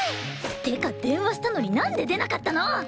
ってか電話したのになんで出なかったの？